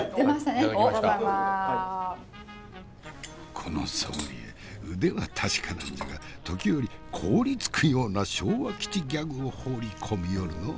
このソムリエ腕は確かなんじゃが時折凍りつくような昭和基地ギャグを放り込みよるのう。